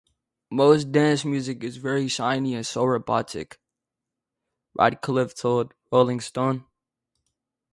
"Most dance music is very shiny and so robotic," Ratcliffe told "Rolling Stone".